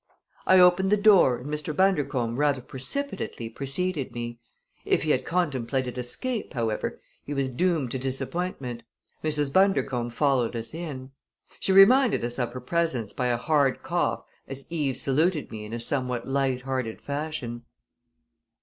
I opened the door and Mr. Bundercombe rather precipitately preceded me. If he had contemplated escape, however, he was doomed to disappointment. Mrs. Bundercombe followed us in. She reminded us of her presence by a hard cough as Eve saluted me in a somewhat light hearted fashion.